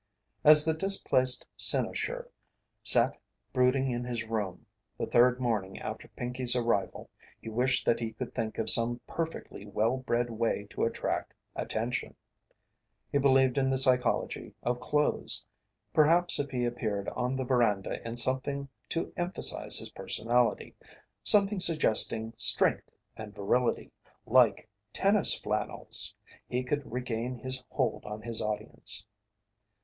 As the displaced cynosure sat brooding in his room the third morning after Pinkey's arrival he wished that he could think of some perfectly well bred way to attract attention. He believed in the psychology of clothes. Perhaps if he appeared on the veranda in something to emphasize his personality, something suggesting strength and virility, like tennis flannels, he could regain his hold on his audience.